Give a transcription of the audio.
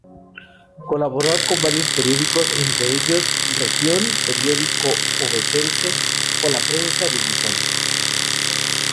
Colaboró con varios periódicos, entre ellos "Región", periódico ovetense, o "La Prensa" de Gijón.